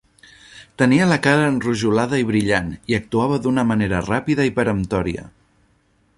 Tenia la cara enrojolada i brillant, i actuava d'una manera ràpida i peremptòria.